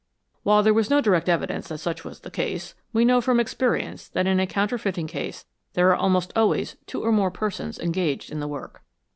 While there was no direct evidence that such was the case, we know from experience that in a counterfeiting case there are almost always two or more persons engaged in the work."